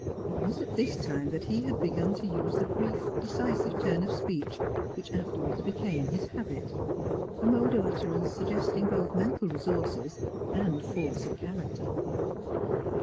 It was at this time that he had begun to use the brief, decisive turn of speech which afterwards became his habit; a mode of utterance suggesting both mental resources and force of character.